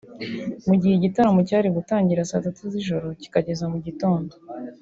Mu gihe igitaramo cyari gutangira saa tatu z’ijoro kikageza mu gitondo